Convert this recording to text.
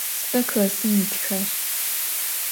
Sıda klassım yitxer?